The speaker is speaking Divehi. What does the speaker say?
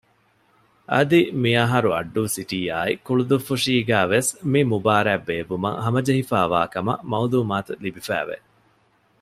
އަދި މިއަހަރު އައްޑޫ ސިޓީއާއި ކުޅުދުއްފުށީގައި ވެސް މި މުބާރާތް ބޭއްވުމަށް ހަމަޖެހިފައިވާކަމަށް މައުލޫމާތު ލިބިފައިވެ